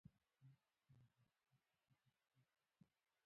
نسج په لابراتوار کې ساتل کېږي.